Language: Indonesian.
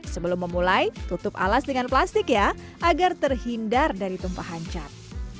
sebelum memulai tutup alas dengan plastik ya agar terhindar dari tumpahan cat